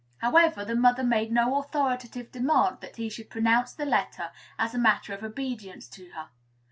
However, the mother made no authoritative demand that he should pronounce the letter as a matter of obedience to her.